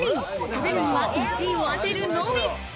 食べるには１位を当てるのみ。